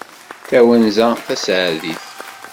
Tawenza taseɛdit.